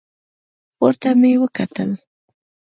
پورته مې وکتل.